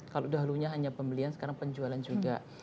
kalau dahulunya hanya pembelian sekarang penjualan juga